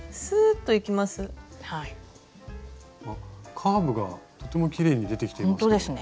カーブがとてもきれいに出てきていますね。